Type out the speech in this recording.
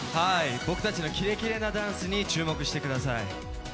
僕たちのキレキレなダンスに注目してください。